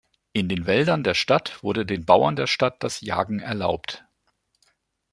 In den Wäldern der Stadt wurde den Bauern der Stadt das Jagen erlaubt.